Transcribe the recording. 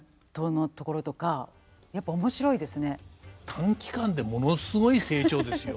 短期間でものすごい成長ですよ。